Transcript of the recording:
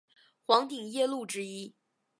黄顶夜鹭之一。